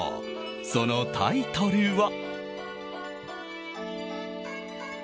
そのタイトルは。